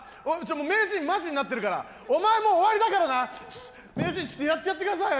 名人マジになってるからお前もう終わりだからな名人ちょっとやってやってください